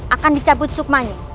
akan dicabut sukmani